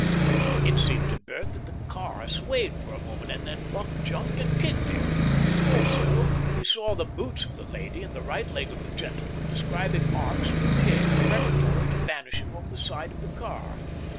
It seemed to Bert that the car swayed for a moment and then buck jumped and kicked him. Also he saw the boots of the lady and the right leg of the gentleman describing arcs through the air, preparatory to vanishing over the side of the car.